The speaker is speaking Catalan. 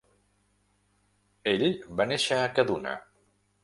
Ell va néixer a Kaduna.